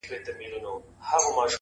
• هغه ويل د هغه غره لمن کي,